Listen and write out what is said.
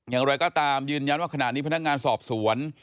อย่างไรก็ตามยืนยันว่าขณะนี้พนักงานสอบสวน